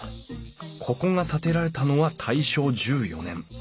ここが建てられたのは大正１４年。